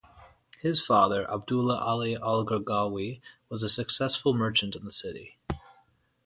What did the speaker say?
His father, Abdulla Ali Al Gergawi, was a successful merchant in the city.